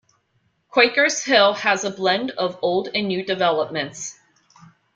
Quakers Hill has a blend of old and new developments.